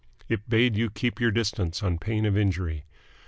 It bade you keep your distance on pain of injury.